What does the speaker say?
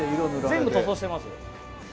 全部塗装してます。